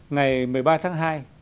ngày một mươi ba tháng hai